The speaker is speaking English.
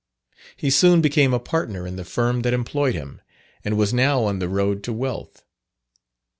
He soon became a partner in the firm that employed him, and was now on the road to wealth.